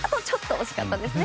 惜しかったですね。